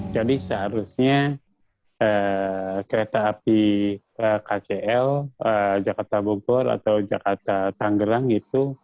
jadi seharusnya kereta api kcl jakarta bogor atau jakarta tanggerang itu